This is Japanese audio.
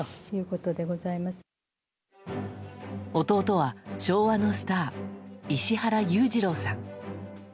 弟は昭和のスター石原裕次郎さん。